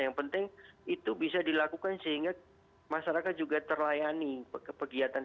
yang penting itu bisa dilakukan sehingga masyarakat juga terlayani kegiatan